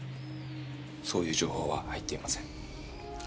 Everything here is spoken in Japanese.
そういう情報は入っていません。